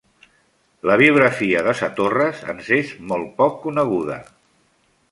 La biografia de Satorres ens és molt poc coneguda.